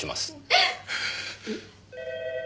えっ！？